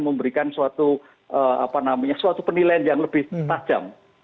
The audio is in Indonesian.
memberikan suatu ee apa namanya suatu penilaian yang lebih tajam